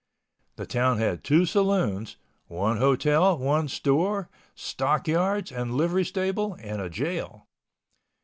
The town had two saloons, one hotel, one store, stockyards and livery stable, and a jail.